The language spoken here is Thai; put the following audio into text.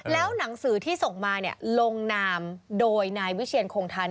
แล้วหนังสือที่ส่งมาลงนามโดยนายวิเชียนคงทัน